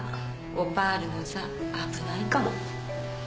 オパールの座危ないかも。